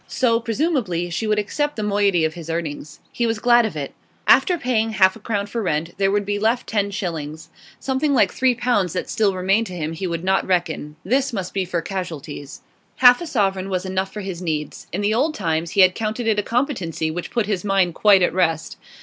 So, presumably, she would accept the moiety of his earnings; he was glad of it. After paying half a crown for rent, there would be left ten shillings. Something like three pounds that still remained to him he would not reckon; this must be for casualties. Half a sovereign was enough for his needs; in the old times he had counted it a competency which put his mind quite at rest.